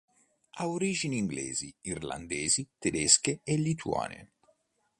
Ha origini inglesi, irlandesi, tedesche e lituane.